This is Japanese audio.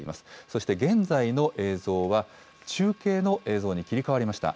そして現在の映像は、中継の映像に切り替わりました。